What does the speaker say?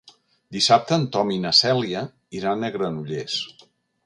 Dissabte en Tom i na Cèlia iran a Granollers.